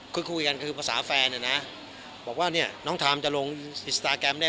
คุยคุยกันก็คือภาษาแฟนเนี้ยนะบอกว่านี่น้องทามจะลงอิสตาแกรมได้